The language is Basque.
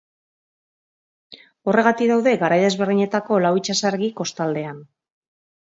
Horregatik daude garai desberdinetako lau itsasargi kostaldean.